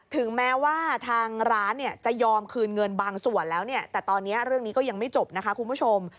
ถึงแม้ว่าทางร้านเนี่ยจะยอมคืนเงินบางส่วนแล้วเนี่ยแต่ตอนนี้เรื่องนี้ก็ยังไม่จบนะคะคุณผู้ชม